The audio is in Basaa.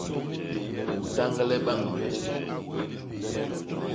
U tañgle bañ me.